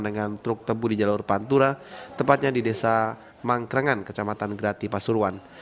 dengan truk tebu di jalur pantura tepatnya di desa mangkrengan kecamatan grati pasuruan